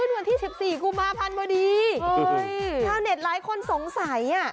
เฮ้ยถ้าเจ้าเน็ตหลายคนสงสัย